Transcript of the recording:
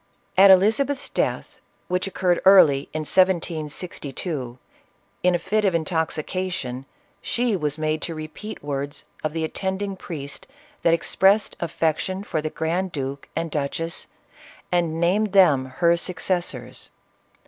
At Elizabeth's death, which occurred early in 1762, in a fit of intoxication, she was made to repeat words of the attending priest that expressed affection for the grand duke and duchess and named them her succes sors.